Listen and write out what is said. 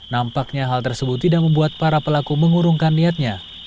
nampaknya hal tersebut tidak membuat para pelaku mengurungkan niatnya